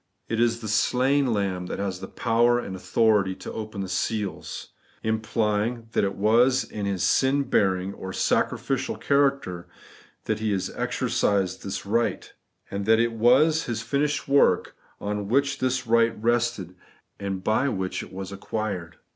It is the slain Lamb that has the power and authority to open the seals; implying that it was in His sin bearing or sacrificial character that He exercised this right, and that it was His finished work on which this right rested, and by which it was acquired.